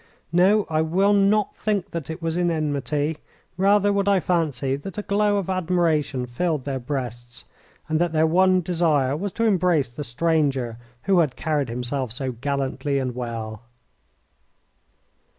No, I will not think that it was in enmity. Rather would I fancy that a glow of admiration filled their breasts, and that their one desire was to embrace the stranger who had carried himself so gallantly and well.